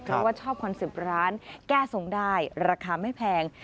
เพราะว่าชอบคอน๑๐ร้านแก้ทรงได้ราคาไม่แพง